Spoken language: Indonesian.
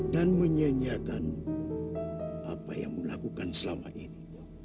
dan menyia nyiakan apa yang saya lakukan selama ini